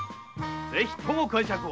ぜひとも介錯を。